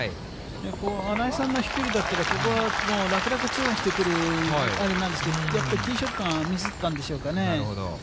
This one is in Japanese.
穴井さんの飛距離だったら、ここはもう楽々２オンしてくるところなんですけど、やっぱりティーショットがミスったんでしょうかね。